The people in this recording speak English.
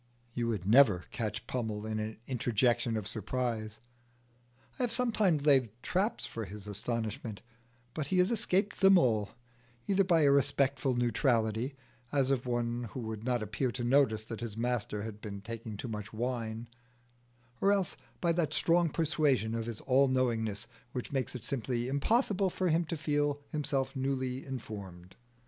You would never catch Pummel in an interjection of surprise. I have sometimes laid traps for his astonishment, but he has escaped them all, either by a respectful neutrality, as of one who would not appear to notice that his master had been taking too much wine, or else by that strong persuasion of his all knowingness which makes it simply impossible for him to feel himself newly informed.